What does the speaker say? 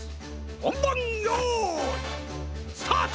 ほんばんよういスタート！